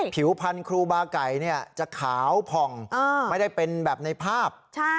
ผิวพันธุ์ครูบาไก่จะขาวผ่องไม่ได้เป็นแบบในภาพ